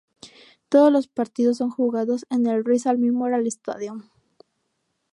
Todos los partidos son jugados en el Rizal Memorial Stadium.